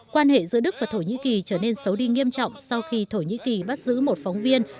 quan hệ giữa đức và thổ nhĩ kỳ trở nên xấu đi nghiêm trọng sau khi thổ nhĩ kỳ bắt giữ một phóng viên